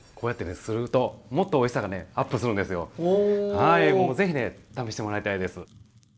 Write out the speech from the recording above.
はいもうぜひね試してもらいたいです。